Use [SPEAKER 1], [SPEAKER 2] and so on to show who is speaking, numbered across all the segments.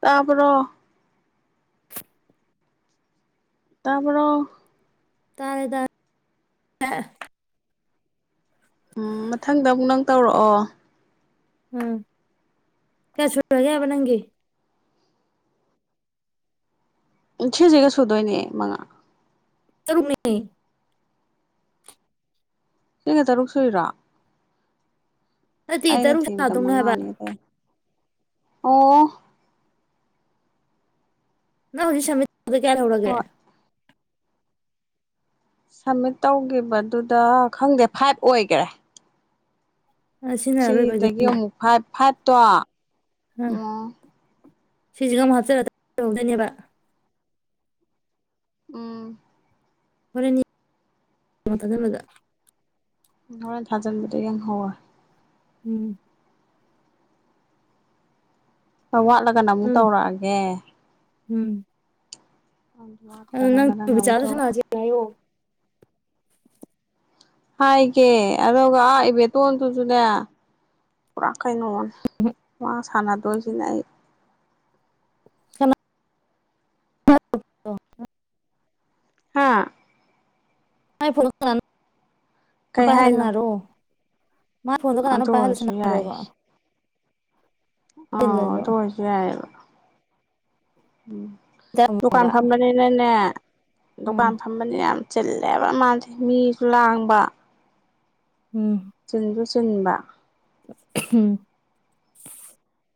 [SPEAKER 1] ꯇꯥꯕꯔꯣ ꯇꯥꯕꯔꯣ
[SPEAKER 2] ꯇꯥꯔꯦꯗ [inaudible]
[SPEAKER 1] ꯎꯝ ꯃꯊꯪꯗ ꯑꯃꯨꯛ ꯅꯪ ꯇꯧꯔꯛꯑꯣ꯫
[SPEAKER 2] ꯎꯝ ꯀꯌꯥꯁꯨ [inaudible] ꯒꯦꯕ ꯅꯪꯒꯤ꯫
[SPEAKER 1] ꯎꯝ ꯁꯤ꯭ꯁꯤꯒ ꯁꯨꯗꯣꯏꯅꯦ ꯃꯉꯥ꯫
[SPEAKER 2] ꯇꯔꯨꯛꯅꯦ꯫
[SPEAKER 1] ꯁꯤꯒ ꯇꯔꯨꯛ ꯁꯨꯏꯔꯣ꯫
[SPEAKER 2] ꯅꯠꯇꯦ
[SPEAKER 1] ꯑꯩꯅ
[SPEAKER 2] ꯇꯔꯨꯛ
[SPEAKER 1] ꯊꯤꯕꯗ
[SPEAKER 2] ꯁꯥꯗꯧꯅ ꯍꯥꯏꯕ꯫
[SPEAKER 1] ꯃꯉꯥꯅꯦ ꯑꯗꯩ ꯑꯣ꯫
[SPEAKER 2] [unintelligible] ꯑꯗꯣ ꯀꯌꯥ ꯂꯩꯍꯧꯔꯒꯦ꯫
[SPEAKER 1] ꯍꯣꯏ ꯁꯝꯃꯤꯠ ꯇꯧꯒꯤꯕꯗꯨꯗ ꯈꯪꯗꯦ ꯐꯥꯏꯚ ꯑꯣꯏꯒ꯭ꯔꯦ꯫
[SPEAKER 2] ꯑ ꯁꯤꯅ ꯑꯔꯣꯏꯕ
[SPEAKER 1] ꯁꯤꯗꯒꯤ
[SPEAKER 2] ꯑꯣꯏꯗꯣꯏꯅꯤ
[SPEAKER 1] ꯑꯃꯨꯛ ꯐꯥꯏꯚ ꯐꯥꯏꯚꯇꯣ
[SPEAKER 2] ꯑꯥ
[SPEAKER 1] ꯎꯝ
[SPEAKER 2] ꯁꯤꯁꯤꯒ ꯑꯃꯨꯛ ꯍꯥꯞꯆꯜꯂ ꯇꯧꯗꯣꯏꯅꯦꯕ꯫
[SPEAKER 1] ꯎꯝ꯫
[SPEAKER 2] [unintelligible]
[SPEAKER 1] ꯍꯣꯔꯦꯟ ꯊꯥꯖꯤꯟꯕꯗ ꯌꯦꯡꯍꯧꯋꯦ
[SPEAKER 2] ꯎꯝ꯫
[SPEAKER 1] ꯋꯥꯠꯂꯒꯅ ꯑꯃꯨꯛ
[SPEAKER 2] ꯎꯝ
[SPEAKER 1] ꯇꯧꯔꯛꯑꯒꯦ꯫
[SPEAKER 2] ꯎꯝ꯫ ꯑꯗꯣꯅꯪ
[SPEAKER 1] ꯋꯥꯠꯇ꯭ꯔꯒꯅ ꯅꯪ
[SPEAKER 2] [inaudible]
[SPEAKER 1] ꯑꯃꯨꯛ
[SPEAKER 2] ꯆꯥꯁꯨ
[SPEAKER 1] ꯇꯧꯔꯛꯑꯣ
[SPEAKER 2] ꯁꯥꯅꯁꯦ ꯍꯥꯏꯌꯣ꯫
[SPEAKER 1] ꯍꯥꯏꯒꯦ ꯑꯗꯨꯒ ꯑꯥ ꯏꯕꯦꯇꯣꯟꯗꯨꯁꯨꯅꯦ ꯄꯨꯔꯥ ꯀꯩꯅꯣ [unintelligible] ꯁꯥꯟꯅꯥꯗꯣꯏꯁꯤꯅꯦ ꯑꯩ꯫
[SPEAKER 2] [inaudible]
[SPEAKER 1] ꯍꯥꯥ꯫
[SPEAKER 2] [unintelligible]
[SPEAKER 1] ꯀꯩ
[SPEAKER 2] ꯄꯗ
[SPEAKER 1] ꯍꯥꯏꯅꯣ
[SPEAKER 2] ꯁꯥꯅꯔꯣ꯫ ꯃꯥꯏ ꯐꯣꯟꯗꯨ ꯀꯅꯅꯣꯝ
[SPEAKER 1] ꯑꯗꯨ
[SPEAKER 2] ꯄꯥꯏꯍꯜꯂ
[SPEAKER 1] ꯑꯣꯏꯔꯁꯨ
[SPEAKER 2] ꯁꯅꯥꯔꯣꯕ꯫
[SPEAKER 1] ꯑ ꯑꯗꯨ ꯑꯣꯏꯔꯁꯨ ꯌꯥꯏꯕ꯫ ꯎꯝ ꯗꯨꯀꯥꯟ
[SPEAKER 2] ꯊꯝꯃꯣꯕ
[SPEAKER 1] ꯐꯝꯕꯅꯤꯅꯅꯦ꯫
[SPEAKER 2] ꯎꯝ
[SPEAKER 1] ꯗꯨꯀꯥꯟ ꯐꯝꯕꯅꯦ ꯌꯥꯝ ꯆꯤꯜꯂꯦꯕ ꯃꯥꯗꯤ ꯃꯤꯁꯨ ꯂꯥꯡꯕ꯫
[SPEAKER 2] ꯎꯝ
[SPEAKER 1] ꯆꯤꯟꯁꯨ ꯆꯤꯟꯕ꯫
[SPEAKER 2] ꯎꯝ꯫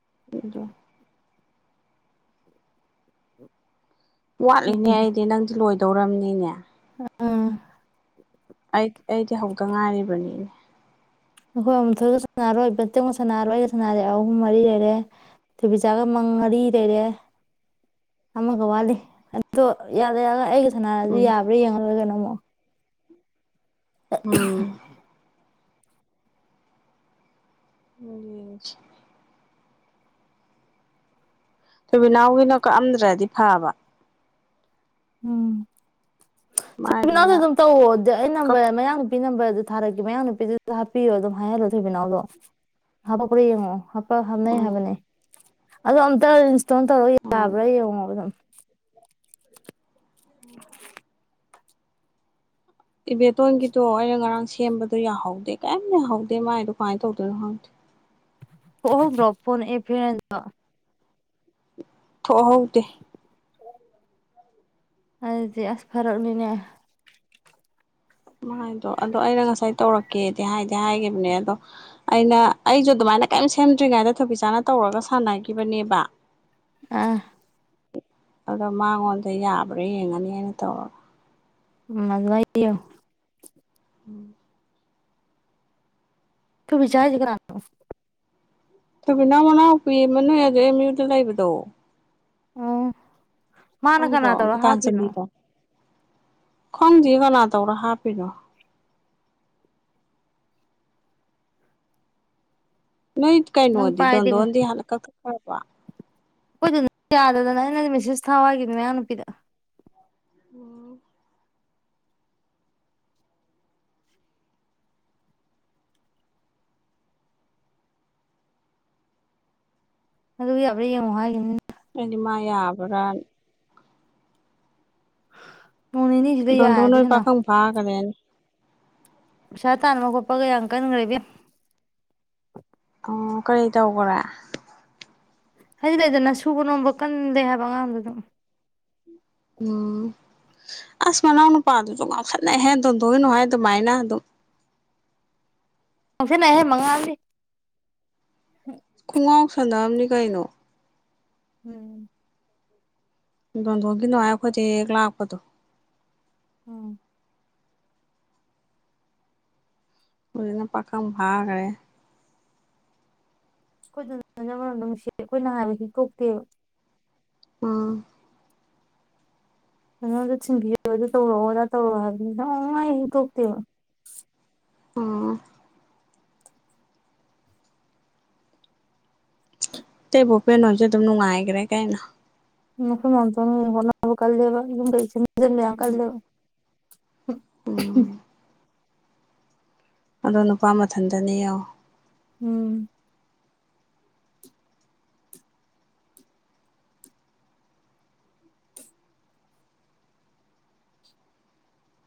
[SPEAKER 1] [unintelligible] ꯋꯥꯠꯂꯤꯅꯦ ꯑꯩꯗꯤ ꯅꯪꯗꯤ ꯂꯣꯏꯗ ꯇꯧꯔꯝꯅꯤꯅꯦ
[SPEAKER 2] ꯎꯝ
[SPEAKER 1] ꯑꯩ ꯑꯩꯗꯤ ꯍꯧꯗ ꯉꯥꯏꯔꯤꯕꯅꯤꯅꯦ
[SPEAKER 2] ꯑꯩꯈꯣꯏ ꯑꯊꯣꯏꯒ ꯁꯥꯟꯅꯔꯣꯏ ꯕꯇꯦꯛꯒ ꯁꯥꯟꯅꯔꯣꯏ ꯑꯩꯒ ꯁꯅꯔꯦ ꯑꯍꯨꯝ ꯃꯔꯤ ꯂꯩꯔꯦ ꯊꯣꯏꯕꯤꯆꯥꯒ ꯃꯪ ꯃꯔꯤ ꯂꯩꯔꯦ ꯑꯃꯒ ꯋꯥꯠꯂꯤ ꯑꯗꯣ ꯌꯥꯔꯦ ꯌꯥ ꯑꯩꯒ [unintelligible] ꯁꯥꯟꯅꯔꯁꯨ
[SPEAKER 1] ꯎꯝ
[SPEAKER 2] ꯌꯥꯕ꯭ꯔꯦ ꯌꯦꯡꯉ ꯂꯣꯢꯔꯦ ꯀꯩꯅꯣ ꯑꯃꯨꯛ [unintelligible]
[SPEAKER 1] ꯎꯝ ꯎꯝ ꯊꯣꯏꯕꯤꯅꯥꯎꯕꯤꯅ ꯀꯛꯑꯝꯗ꯭ꯔꯗꯤ ꯐꯕ
[SPEAKER 2] ꯎꯝ ꯊꯣꯏꯕꯤꯅꯥꯎꯗꯥ
[SPEAKER 1] ꯃꯥꯏꯗꯨꯅ
[SPEAKER 2] ꯑꯗꯨꯝ ꯇꯧꯑꯣ ꯑꯩ
[SPEAKER 1] ꯀꯛ
[SPEAKER 2] ꯅꯝꯕꯔ ꯃꯌꯥꯡ ꯅꯨꯄꯤ ꯅꯝꯕꯔ ꯊꯥꯔꯛꯀ ꯃꯌꯥꯡ ꯅꯨꯄꯤꯗꯨꯗ ꯍꯥꯞꯄꯤꯌꯣ ꯑꯗꯨꯝ ꯍꯥꯏꯍꯜꯂꯣ ꯊꯣꯏꯕꯤꯅꯥꯎ ꯗꯨ ꯍꯥꯄꯛꯄ꯭ꯔꯥ ꯌꯦꯡꯉꯣ ꯍꯥꯞ ꯄ ꯍꯥꯞꯅꯩ
[SPEAKER 1] ꯎꯝ
[SPEAKER 2] ꯍꯥꯏꯕꯅꯦ ꯑꯗꯨ ꯑꯝꯇ ꯇꯩꯔ ꯇꯧꯔꯒ
[SPEAKER 1] ꯎꯝ
[SPEAKER 2] ꯌꯥꯕ꯭ꯔꯥ ꯌꯦꯡꯉꯣꯕ ꯑꯗꯨꯝ [inaudible]
[SPEAKER 1] ꯎꯝ ꯏꯕꯦꯇꯣꯟꯒꯤꯗꯣ ꯑꯩꯅ ꯉꯔꯥꯡ ꯁꯦꯝꯕꯗꯣ ꯌꯥꯍꯧꯗꯦ ꯀꯔꯤꯝ ꯌꯥꯍꯧꯗꯦ ꯃꯥꯏꯗꯣ ꯀꯃꯥꯏꯅ ꯇꯧꯗꯣꯏꯅꯣ ꯈꯪꯗꯦ
[SPEAKER 2] ꯑꯣ ꯭ꯔꯣꯄꯣꯟ ꯑꯦ ꯐ
[SPEAKER 1] ꯊꯣ ꯍꯧꯗꯤ
[SPEAKER 2] ꯍꯥꯏꯗꯤ ꯑꯁ ꯐꯔꯛꯅꯤꯅꯦ
[SPEAKER 1] ꯃꯥꯗꯣ ꯑꯗꯣ ꯑꯩꯅ ꯉꯁꯥꯏ ꯇꯧꯔꯛꯀꯦꯗꯤ ꯍꯥꯏꯗꯤ ꯍꯥꯏꯈꯤꯕꯅꯦ ꯑꯗꯣ ꯑꯩꯅ ꯑꯩꯁꯨ ꯑꯗꯨꯃꯥꯏꯅ ꯀꯔꯤꯝ ꯁꯦꯝꯗ꯭ꯔꯤꯉꯩꯗ ꯊꯕꯤꯛ ꯆꯥꯅ ꯇꯧꯔꯒ ꯁꯥꯟꯅꯈꯤꯕꯅꯦꯕ
[SPEAKER 2] ꯑꯥ
[SPEAKER 1] ꯑꯗꯣ ꯃꯉꯣꯟꯗ ꯌꯥꯕ꯭ꯔꯥ ꯌꯦꯡꯉꯨꯅꯤ ꯍꯥꯏꯅ ꯇꯧꯔꯒ
[SPEAKER 2] ꯃꯗꯨꯋꯥꯏꯣ
[SPEAKER 1] ꯎꯝ
[SPEAKER 2] ꯊꯣꯕꯤꯆꯥ ꯍꯥꯏꯁꯦ ꯀꯅꯥꯅꯣ
[SPEAKER 1] ꯊꯕꯤꯅꯥ ꯃꯅꯥꯑꯣ ꯄꯤ ꯑꯃꯥ ꯑꯦꯝ ꯌꯨꯗ ꯂꯩꯕꯗꯣ
[SPEAKER 2] ꯑ ꯃꯥꯅ ꯀꯅꯥ ꯇꯣꯔꯒ ꯍꯀꯤꯅꯣ
[SPEAKER 1] ꯈꯪꯗꯤꯦ ꯀꯅꯥ ꯇꯧꯔ ꯍꯥꯞꯄꯤꯅꯣ ꯅꯣꯏ
[SPEAKER 2] ꯅꯪ
[SPEAKER 1] ꯀꯩꯅꯣꯗꯤ
[SPEAKER 2] ꯄꯥꯏꯗꯤ
[SPEAKER 1] ꯇꯣꯟꯗꯣꯜ ꯍꯥꯟꯅ ꯀꯛ ꯍꯄ
[SPEAKER 2] ꯑꯩꯈꯣꯏꯗ ꯅꯪ ꯌꯥꯗꯗꯅ ꯑꯩꯅ ꯃꯦꯁꯦꯁ ꯊꯥꯋꯥ ꯍꯥꯏꯈꯤꯕꯅꯤ ꯃꯌꯥꯡ ꯅꯨꯄꯤꯗ
[SPEAKER 1] ꯎꯝ
[SPEAKER 2] ꯑꯗꯨꯕꯨ ꯌꯥꯔ ꯌꯦꯡꯉꯨ ꯍꯥꯏ
[SPEAKER 1] ꯑꯗꯤ ꯃꯥ ꯌꯥꯕ꯭ꯔꯥ
[SPEAKER 2] [inaudible]
[SPEAKER 1] ꯗꯣꯜꯗꯣꯜ
[SPEAKER 2] ꯌꯥꯔꯗꯤ
[SPEAKER 1] ꯍꯣꯏ
[SPEAKER 2] ꯁꯅꯥ
[SPEAKER 1] ꯄꯥꯈꯪ ꯐꯥꯒꯔꯦ
[SPEAKER 2] ꯄꯩꯁꯥ ꯇꯥꯟꯕ ꯈꯣꯠꯄꯒ ꯌꯥꯝ ꯀꯟꯈ꯭ꯔꯦꯕ
[SPEAKER 1] ꯎꯝ ꯀꯔꯤ ꯇꯧꯕ꯭ꯔꯥ
[SPEAKER 2] ꯍꯥꯏꯗꯤ ꯂꯩꯗꯅ ꯁꯨꯕ ꯅꯣꯝꯕ ꯀꯟꯗꯦ ꯍꯥꯏꯕ ꯑꯉꯥꯡꯗ ꯑꯗꯨꯝ
[SPEAKER 1] ꯎꯝ ꯑꯁ ꯃꯅꯥꯎ ꯅꯨꯄꯥꯗꯨꯁꯨ ꯉꯥꯎꯁꯅꯧꯍꯦ ꯗꯣꯟꯗꯣꯜ ꯍꯥꯏ ꯑꯗꯨꯃꯥꯏꯅ ꯑꯗꯨꯝ
[SPEAKER 2] ꯉꯥꯑꯣꯁꯤꯅꯍꯦ ꯃꯉꯥꯜꯗꯤ
[SPEAKER 1] ꯄꯨꯡꯥꯎ ꯁꯥꯟꯅꯥꯝꯅꯤ ꯀꯥꯏꯅꯣ
[SPEAKER 2] ꯎꯝ
[SPEAKER 1] ꯗꯣꯟꯗꯣꯒꯤꯅꯣ ꯍꯥꯏ ꯑꯩꯈꯣꯏꯗꯤ ꯂꯥꯛꯄꯗꯣ
[SPEAKER 2] ꯎꯝ
[SPEAKER 1] ꯑꯣꯗꯅ ꯄꯈꯝ ꯔ꯭ꯔꯦ
[SPEAKER 2] ꯑꯩꯈꯣꯏꯗ ꯅ ꯃꯔꯣꯝꯗ ꯅꯨꯡꯁꯤ ꯑꯩꯈꯣꯏꯅ ꯍꯥꯏꯕꯕꯁꯤ ꯀꯣꯛꯇꯦꯕ
[SPEAKER 1] ꯑꯥ
[SPEAKER 2] ꯅꯉꯣꯟꯗ ꯊꯤꯟꯕꯤꯔ ꯑꯗꯨꯣ ꯇꯧꯔꯛꯑꯣ ꯑꯗꯥ ꯇꯧꯔꯑꯣ ꯍꯥꯏꯕꯗꯤ ꯅꯣꯡꯃꯇ ꯍꯦꯛ ꯍꯤꯛꯇꯣꯛꯇꯦꯕ
[SPEAKER 1] ꯑꯣ ꯇꯩ ꯕꯣꯄꯦꯜ ꯍꯣꯏꯁꯨ ꯑꯗꯨꯝ ꯅꯨꯉꯥꯏꯈ꯭ꯔꯦ ꯀꯩꯑꯣ
[SPEAKER 2] [unintelligible] [unintelligible]
[SPEAKER 1] ꯎꯝ
[SPEAKER 2] [unintelligible]
[SPEAKER 1] ꯑꯗꯣ ꯅꯨꯄꯥ ꯃꯊꯟꯇꯅꯦ ꯌꯦꯡꯣ
[SPEAKER 2] ꯎꯝ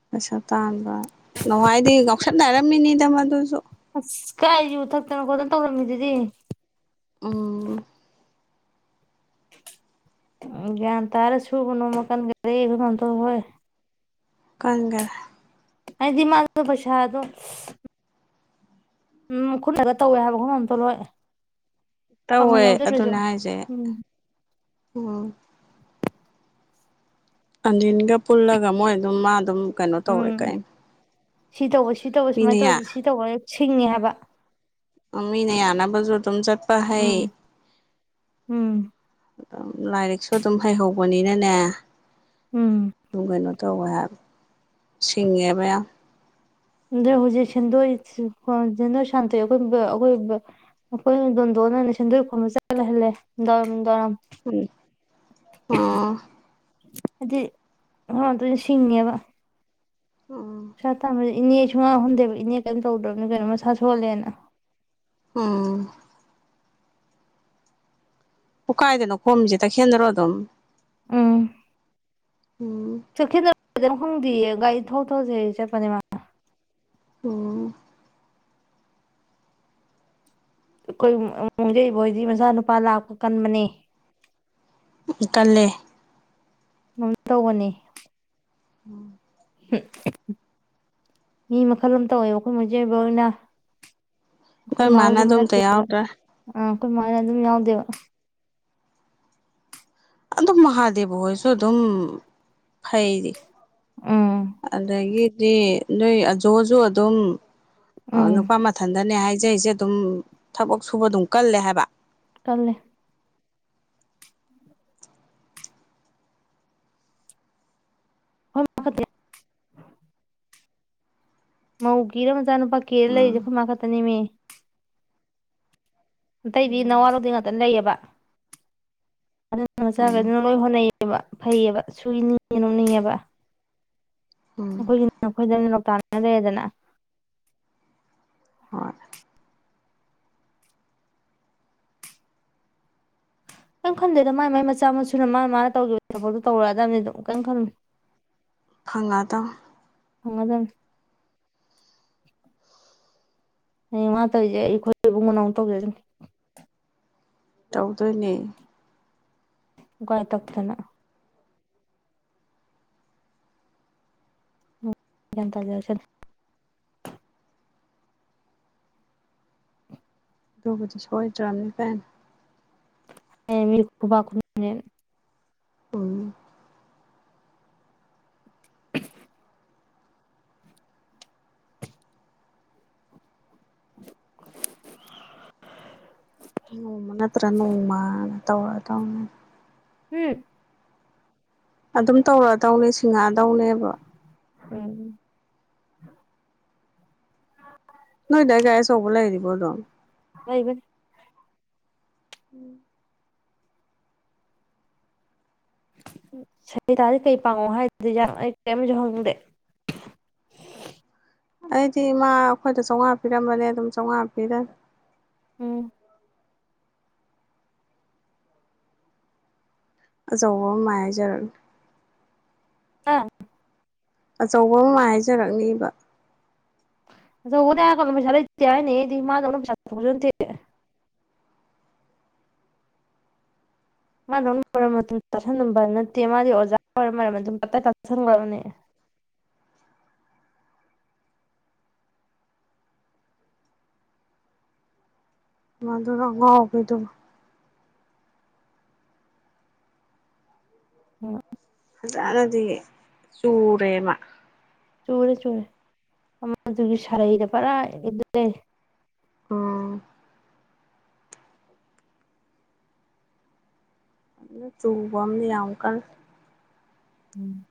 [SPEAKER 1] ꯄꯩꯁꯥ ꯇꯥꯟꯕ꯭ꯔꯥ ꯅ ꯍꯥꯏꯥꯏꯗꯤ ꯉꯥꯎꯁꯠꯅꯔꯝꯃꯤꯅꯤꯗ ꯃꯗꯨꯁꯨ
[SPEAKER 2] ꯑ ꯀꯥꯏ ꯌꯨ ꯊꯛꯇꯅ ꯈꯣꯠꯇꯅ ꯇꯧꯔꯝꯃꯤꯗꯨꯗꯤ
[SPEAKER 1] ꯑꯣ
[SPEAKER 2] ꯒꯌꯥꯟ ꯇꯥꯔ ꯁꯨꯕ ꯅꯣꯝꯕ ꯀꯟꯒꯔꯦ ꯑꯩꯈꯣꯏ ꯃꯥꯝꯇꯣꯟ ꯍꯣꯏ
[SPEAKER 1] ꯀꯟꯒꯔꯦ
[SPEAKER 2] ꯍꯥꯏꯗꯤ ꯃꯥꯗꯤ ꯄꯩꯁꯥꯗꯣ ꯎꯝ ꯈꯨꯠꯅꯒ ꯇꯧꯋꯦ ꯍꯥꯏꯕ ꯈꯣꯏ ꯃꯥꯝꯇꯣꯟ ꯍꯣꯏ ꯄꯥꯡꯒꯜ
[SPEAKER 1] ꯇꯧꯋꯦ
[SPEAKER 2] ꯌꯥꯎꯖꯗ꯭ꯔꯁꯨ
[SPEAKER 1] ꯑꯗꯨꯅꯦ ꯍꯥꯏꯁꯦ
[SPEAKER 2] ꯎꯝ
[SPEAKER 1] ꯎꯝ ꯑꯟꯖꯤꯟꯒ ꯄꯨꯜꯂꯒ ꯃꯣꯏ ꯑꯗꯨꯝ ꯃꯥ ꯑꯗꯨꯝ ꯀꯩꯅꯣ ꯇꯧꯔꯦ
[SPEAKER 2] ꯎꯝ
[SPEAKER 1] ꯀꯥꯏ
[SPEAKER 2] ꯁꯤ ꯇꯧꯕꯁꯤ ꯁꯤ ꯇꯧꯕ ꯁꯨꯃꯥꯏꯅ ꯇꯧꯔꯗꯤ ꯁꯤ ꯇꯧꯕ ꯁꯤꯡꯉꯤ ꯍꯥꯏꯕ
[SPEAKER 1] ꯃꯤꯅꯌꯥꯅꯕꯖꯨ ꯑꯗꯨꯝ ꯆꯠ ꯄ ꯍꯩ
[SPEAKER 2] ꯎꯝ ꯎꯝ
[SPEAKER 1] ꯑꯗꯨꯝ ꯂꯥꯏꯔꯤꯛꯁꯨ ꯑꯗꯨꯝ ꯍꯩꯍꯧꯕꯅꯤꯅꯅꯦ
[SPEAKER 2] ꯎꯝ
[SPEAKER 1] ꯑꯗꯨꯝ ꯀꯩꯅꯣ ꯇꯧꯋꯦ ꯍꯥꯏ ꯁꯤꯡꯉꯦꯕ ꯌꯥꯝ
[SPEAKER 2] ꯑꯗꯣ ꯍꯧꯖꯤꯛ ꯁꯦꯟꯗꯣꯏ ꯁꯦꯟꯗꯣꯏ ꯁꯥꯟꯇꯣꯛꯑꯦ ꯑꯈꯣꯏ ꯑꯈꯣꯏ ꯑꯩꯈꯣꯏ ꯗꯣꯟꯗꯣꯟꯅꯅ ꯁꯦꯟꯗꯣꯏ ꯈꯣꯝꯕ ꯆꯠ ꯂꯩꯍꯜꯂꯦ ꯅꯨꯡꯗꯥꯡ ꯋꯥꯏꯔꯝ ꯅꯨꯡꯗꯥꯡ ꯋꯥꯏꯔꯝ
[SPEAKER 1] ꯎꯝ ꯑꯥ
[SPEAKER 2] ꯍꯥꯏꯗꯤ ꯑꯉꯥꯡꯗꯨ ꯁꯤꯡꯉꯦꯕ
[SPEAKER 1] ꯎꯝ
[SPEAKER 2] ꯄꯩꯁꯥ ꯇꯥꯟꯕ ꯏꯅꯦ ꯁꯨꯡꯌꯥꯎ ꯌꯥꯎꯍꯟꯗꯦꯕ ꯏꯅꯦ ꯀꯔꯤꯝ ꯇꯧꯗ꯭ꯔꯒꯖꯨ ꯀꯩꯅꯣ ꯃꯁꯥ ꯁꯣꯜꯂꯦꯅ
[SPEAKER 1] ꯎꯝ ꯑꯣ ꯀꯥꯏꯗꯅ ꯈꯣꯝꯃꯤꯖꯦ ꯇꯈꯦꯟꯗꯔꯣ ꯑꯗꯨꯝ
[SPEAKER 2] ꯎꯝ
[SPEAKER 1] ꯎꯝ
[SPEAKER 2] [unintelligible] ꯈꯪꯗꯤꯌꯦ ꯒꯥꯔꯤ ꯊꯧ ꯊꯧ ꯁꯦ ꯆꯠꯄꯅꯦ ꯃꯥ
[SPEAKER 1] ꯑꯣ
[SPEAKER 2] ꯑꯩꯈꯣꯏ ꯃꯨꯖꯩꯕꯣꯏꯗꯤ ꯃꯆꯥꯅꯨꯄꯥ ꯂꯥꯛꯄ ꯀꯟꯕꯅꯦ
[SPEAKER 1] ꯑ ꯀꯜꯂꯦ
[SPEAKER 2] ꯑꯗꯨꯝ ꯇꯧꯕꯅꯤ
[SPEAKER 1] ꯎꯝ
[SPEAKER 2] ꯃꯤ ꯃꯈꯜ ꯑꯃ ꯇꯧꯋꯦꯕ ꯑꯩꯈꯣꯏ ꯃꯣꯏꯆꯦꯕ ꯍꯣꯏꯅ
[SPEAKER 1] ꯑꯩꯈꯣꯏ ꯃꯥꯅ ꯑꯗꯨꯝꯇ ꯌꯥꯎꯗꯔꯦ
[SPEAKER 2] ꯑꯈꯣꯏ ꯃꯥꯅ ꯑꯗꯨ ꯌꯥꯎꯗꯦꯕ
[SPEAKER 1] ꯑꯗꯨꯝ ꯃꯍꯥꯗꯦꯕ ꯍꯣꯏꯁꯨ ꯑꯗꯨꯝ ꯐꯩꯗꯤ
[SPEAKER 2] ꯎꯝ
[SPEAKER 1] ꯑꯗꯒꯤꯗꯤ ꯅꯣꯏ ꯑꯖꯣꯖꯨ ꯑꯗꯨꯝ ꯑ
[SPEAKER 2] ꯎꯝ
[SPEAKER 1] ꯅꯨꯄꯥ ꯃꯊꯟꯗꯅꯦ ꯍꯥꯏꯖꯩꯖꯦ ꯑꯗꯨꯝ ꯊꯕꯛ ꯁꯨꯕ ꯑꯗꯨꯝ ꯀꯜꯂꯦ ꯍꯥꯏꯕ
[SPEAKER 2] ꯀꯟꯂꯦ ꯍꯗ [inaudible] ꯃꯧ ꯀꯤꯔ ꯃꯆꯥꯅꯨꯄꯥ ꯀꯤꯔ ꯂꯩꯖꯦ
[SPEAKER 1] ꯎꯝ
[SPEAKER 2] ꯑꯈꯣꯏꯃꯥ ꯈꯛꯇꯅꯦꯃꯤ ꯑꯇꯩꯗꯤ ꯅꯋꯥ
[SPEAKER 1] ꯎꯝ
[SPEAKER 2] ꯂꯧꯗꯦ ꯉꯥꯛꯇ ꯂꯩꯌꯦꯕ ꯑꯗꯨꯅ
[SPEAKER 1] ꯎꯝ
[SPEAKER 2] ꯃꯆꯥꯈꯩꯗꯨꯅ ꯂꯣꯏ ꯍꯣꯠꯅꯩꯕ ꯐꯩꯌꯦꯕ ꯁꯨꯅꯤꯡꯉꯦ ꯅꯣꯝꯅꯤꯡꯉꯦꯕ
[SPEAKER 1] ꯎꯝ
[SPEAKER 2] ꯑꯩꯈꯣꯏꯒꯤꯅ ꯅꯈꯣꯏꯗꯅ ꯂꯧꯇꯥꯅ ꯂꯩꯔꯦꯗꯅ
[SPEAKER 1] ꯍꯣꯏ
[SPEAKER 2] ꯀꯦꯝ ꯈꯟꯗꯦꯗ ꯃꯥꯏ ꯃꯥꯏ ꯃꯆꯥ ꯃꯁꯨꯅ ꯃꯥ ꯃꯥꯅ ꯇꯧꯒꯤꯕ ꯊꯕꯛꯇꯣ ꯇꯧꯔꯛꯑꯗꯕꯅꯤ ꯑꯗꯨꯝ ꯀꯦꯝ ꯈꯟꯂꯨꯅꯨ
[SPEAKER 1] ꯐꯪꯉꯗꯕꯅꯤ
[SPEAKER 2] ꯐꯪꯉꯗꯕꯅꯤ ꯍꯌꯦꯡ ꯃꯥ ꯇꯧꯔꯤꯁꯦ ꯑꯩꯈꯣꯏ ꯏꯕꯨꯡꯉꯣꯅ ꯃꯨꯛ ꯇꯧꯖꯔꯥꯖꯅꯤ
[SPEAKER 1] ꯇꯧꯗꯣꯏꯅꯦ
[SPEAKER 2] ꯎꯀꯥꯏ ꯇꯛꯇꯅ ꯒꯌ꯭ꯥꯟ ꯇꯥꯖꯔꯛꯁꯅꯤ
[SPEAKER 1] ꯑꯗꯨꯕꯨꯗ ꯁꯣꯏꯗ꯭ꯔꯝꯅꯤ ꯀꯩꯅꯣ
[SPEAKER 2] ꯍꯌꯦꯡ ꯃꯤ ꯈꯨꯕꯥꯛ ꯈꯨꯅꯅꯦꯅ
[SPEAKER 1] ꯎꯝ
[SPEAKER 2] [inaudible]
[SPEAKER 1] ꯅꯣꯡꯃ ꯅꯠꯇ꯭ꯔ ꯅꯣꯡꯃꯅ ꯇꯧꯔꯗꯧꯅꯦ
[SPEAKER 2] ꯎꯝ
[SPEAKER 1] ꯑꯗꯨꯝ ꯇꯧꯔꯗꯧꯅꯦ ꯁꯤꯡꯉꯛꯑꯗꯧꯅꯦꯕ
[SPEAKER 2] ꯎꯝ
[SPEAKER 1] ꯅꯣꯏꯗꯥꯏ ꯒꯥꯔꯤ ꯑꯆꯧꯕ ꯂꯩꯔꯤꯕꯣ ꯑꯗꯨꯝ
[SPEAKER 2] ꯂꯩꯕꯅꯤ
[SPEAKER 1] ꯎꯝ
[SPEAKER 2] ꯁꯔꯤꯇꯥꯗ ꯀꯩ ꯄꯥꯉꯣ ꯍꯥꯏꯗꯨꯏ ꯖꯥꯠꯅꯣ ꯑꯩ ꯀꯔꯤꯝꯁꯨ ꯍꯪꯗꯦ
[SPEAKER 1] ꯑꯩꯗꯤ ꯃꯥ ꯑꯩꯈꯣꯏꯗ ꯆꯥꯝꯃꯉꯥ ꯄꯤꯔꯝꯕꯅꯦ ꯑꯗꯨꯝ ꯆꯥꯝꯃꯉꯥ ꯄꯤꯔꯅꯤ
[SPEAKER 2] ꯎꯝ
[SPEAKER 1] ꯑꯆꯧꯕ ꯃꯥꯏꯖꯔꯅꯤ
[SPEAKER 2] ꯍꯥ
[SPEAKER 1] ꯑꯆꯧꯕ ꯑꯃ ꯃꯥꯏ ꯍꯥꯏꯖꯔꯛꯅꯦꯕ
[SPEAKER 2] ꯑꯆꯧꯕꯒꯗꯤ ꯍꯥꯏꯔꯛꯀꯅꯨ ꯄꯩꯁꯥ ꯂꯩꯇꯦ ꯍꯥꯏꯅꯤꯍꯦ ꯑꯩꯗ ꯃꯥꯗꯧꯅ ꯄꯩꯁꯥ ꯊꯣꯛꯄꯁꯨ ꯅꯇꯦ ꯃꯥꯗꯧꯅ ꯃꯔꯟ ꯃꯊꯨꯝ ꯇꯥꯁꯟꯂꯝꯕ ꯅꯠꯇꯦ ꯃꯥꯗꯤ ꯑꯣꯖꯥ ꯑꯣꯏꯔ ꯃꯔꯟ ꯃꯊꯨꯝ ꯇꯞ ꯇꯥꯏ ꯇꯥꯁꯟꯒꯔ꯭ꯕꯅꯤ
[SPEAKER 1] ꯃꯥꯗꯨꯔꯣ ꯑꯉꯥꯑꯣꯕꯤꯗꯨꯕꯨ
[SPEAKER 2] ꯑꯣ
[SPEAKER 1] ꯐꯖꯅꯗꯤ ꯆꯨꯔꯦꯍꯦ ꯃꯥ
[SPEAKER 2] ꯆꯨꯝꯕꯨꯗ ꯆꯨꯝꯃꯦ ꯑꯃꯗꯨꯒꯤ ꯁꯥꯔꯩꯗ ꯄꯨꯔꯥ ꯏꯟꯂ꫰ꯂꯩꯔꯦ
[SPEAKER 1] ꯎꯝ ꯑꯗꯨ ꯆꯨꯝꯕꯃꯅꯤ ꯌꯥꯝ ꯀꯟꯅꯥ
[SPEAKER 2] ꯎꯝ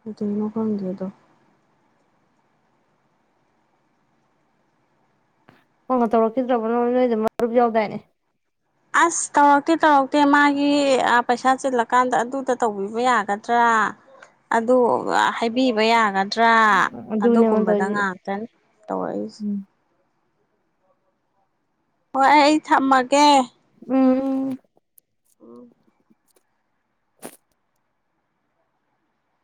[SPEAKER 1] ꯀꯩꯗꯧꯅꯣ ꯈꯪꯗꯦ ꯑꯗꯣ
[SPEAKER 2] ꯐꯣꯟꯒ ꯇꯧꯔꯛꯈꯤꯗ꯭ꯔꯕꯣ ꯅꯣꯏꯗ ꯃꯔꯨꯞ ꯌꯥꯎꯗꯥꯏꯅꯦ
[SPEAKER 1] ꯑꯁ ꯇꯧꯔꯛꯇꯦ ꯇꯧꯔꯛꯇꯦ ꯃꯥꯒꯤ ꯑꯥ ꯄꯩꯁꯥ ꯆꯤꯜꯂꯀꯥꯟꯗ ꯑꯗꯨꯗ ꯇꯧꯕꯤꯕ ꯌꯥꯒꯗ꯭ꯔꯥ ꯑꯗꯨ ꯍꯥꯏꯕꯤꯕ ꯌꯥꯒ ꯗꯔꯥ
[SPEAKER 2] ꯑꯗꯨꯅꯦ ꯑꯩꯉꯣꯟꯗ
[SPEAKER 1] ꯑꯗꯨꯒꯨꯝꯕꯗ
[SPEAKER 2] ꯇꯧꯔꯤꯁꯦ
[SPEAKER 1] ꯉꯥꯛꯇꯅꯤ ꯇꯧꯔꯛꯏꯁꯦ
[SPEAKER 2] ꯎꯝ
[SPEAKER 1] ꯍꯣꯏ ꯑꯩ ꯑꯩ ꯊꯝꯃꯒꯦ
[SPEAKER 2] ꯎꯝ
[SPEAKER 1] ꯎꯝ